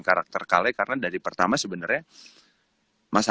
karakter kali karena dari pertama sebenarnya